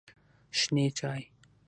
شنې چای